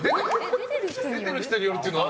出てる人によるっていうのは？